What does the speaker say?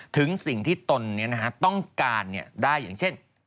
ถึงสิ่งที่ตนต้องการได้อย่างเช่น